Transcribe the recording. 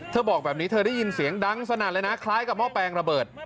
บอกแบบนี้เธอได้ยินเสียงดังสนั่นเลยนะคล้ายกับหม้อแปลงระเบิด